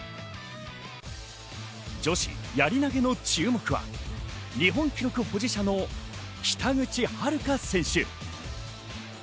女子やり投げの注目は、日本記録保持者の北口榛花選手。